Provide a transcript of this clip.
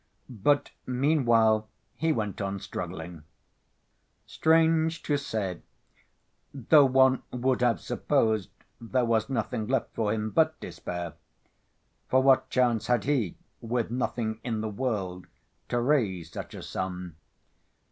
But meanwhile he went on struggling.... Strange to say, though one would have supposed there was nothing left for him but despair—for what chance had he, with nothing in the world, to raise such a sum?